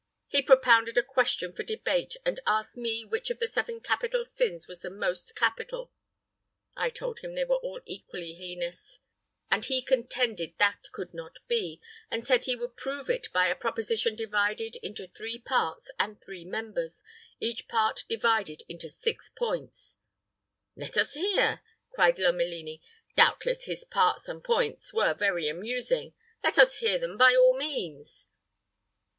"He propounded a question for debate, and asked me which of the seven capital sins was the most capital. I told him they were all equally heinous; but he contended that could not be, and said he would prove it by a proposition divided into three parts and three members, each part divided into six points " "Let us hear," cried Lomelini. "Doubtless his parts and points were very amusing. Let us hear them, by all means."